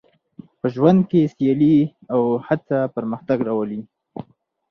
په ژوند کې سیالي او هڅه پرمختګ راولي.